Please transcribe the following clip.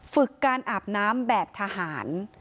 ฝึกการอาบน้ำแบบทหาร